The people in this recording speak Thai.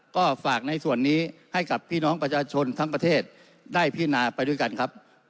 ก็ฝากในส่วนนี้ให้กับพี่น้องประชาชนทั้งประเทศได้พินาไปด้วยกันครับ